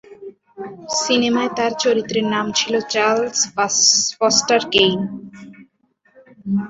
সিনেমায় তার চরিত্রের নাম ছিল চার্লস ফস্টার কেইন।